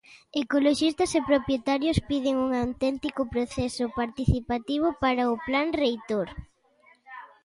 Ecoloxistas e propietarios piden un "auténtico proceso participativo" para o plan reitor.